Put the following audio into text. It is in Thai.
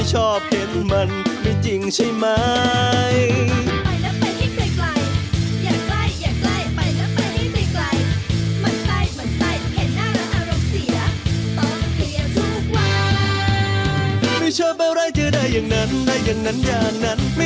ชาติเดิมเป็นเจ้าเวรหรือนายแกรม